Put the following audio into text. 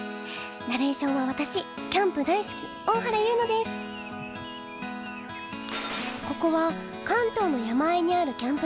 ナレーションは私キャンプ大好きここは関東の山あいにあるキャンプ場。